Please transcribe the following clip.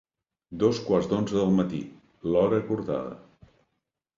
Dos quarts d’onze del matí: l’hora acordada.